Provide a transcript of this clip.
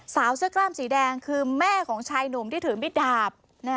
สาวเสื้อกล้ามสีแดงคือแม่ของชายหนุ่มที่ถือมิดดาบ